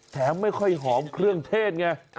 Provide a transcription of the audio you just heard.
ไม่ค่อยหอมเครื่องเทศไง